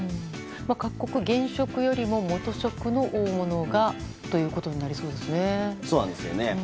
各国、現職よりも元職の大物がということになりそうですね。